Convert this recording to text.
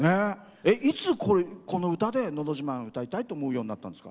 いつ、この歌で「のど自慢」思うようになったんですか？